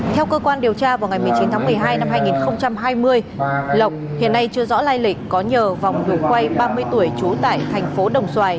theo cơ quan điều tra vào ngày một mươi chín tháng một mươi hai năm hai nghìn hai mươi lộc hiện nay chưa rõ lai lịch có nhờ vòng hủy quay ba mươi tuổi trú tại thành phố đồng xoài